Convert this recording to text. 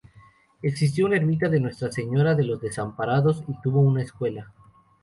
Existió una ermita de Nuestra Señora de los Desamparados y tuvo una escuela.